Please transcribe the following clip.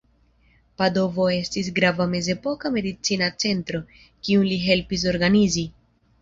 Padovo estis grava mezepoka medicina centro, kiun li helpis organizi.